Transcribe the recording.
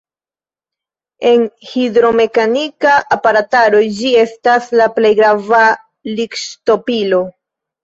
En hidromekanika aparataro ĝi estas la plej grava likŝtopilo.